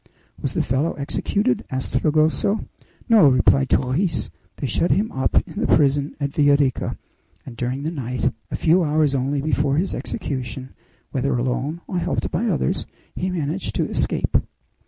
"Was the fellow executed?" asked Fragoso. "No," replied Torres; "they shut him up in the prison at Villa Rica, and during the night, a few hours only before his execution, whether alone or helped by others, he managed to escape."